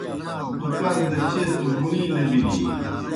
دُکان دہ چیئے توْ بُݨیْ نہ بِلِن۔